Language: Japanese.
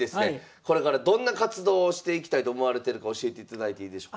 これからどんな活動をしていきたいと思われてるか教えていただいていいでしょうか？